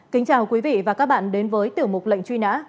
kính chào quý vị và các bạn đến với tiểu mục lệnh truy nã